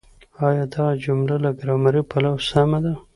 آيا دغه جمله له ګرامري پلوه سمه ده؟